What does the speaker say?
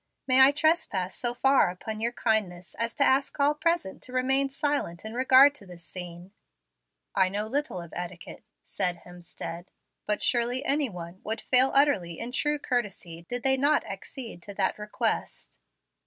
May I trespass so far upon your kindness as to ask all present to remain silent in regard to this scene." "I know little of etiquette," said Hemstead, "but surely any one would fail utterly in true courtesy, did they not accede to that request."